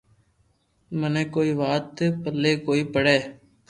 منو ڪوئي وات پلي ڪوئي پڙي